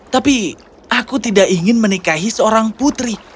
tapi aku tidak ingin menikahi seorang putri